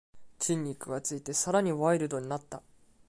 筋肉がついてさらにワイルドになった